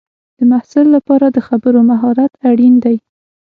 د محصل لپاره د خبرو مهارت اړین دی.